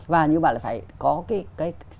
và như vậy là phải có cái